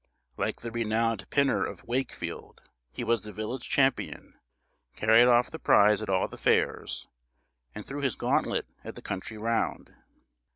Like the renowned Pinner of Wakefield, he was the village champion; carried off the prize at all the fairs, and threw his gauntlet at the country round.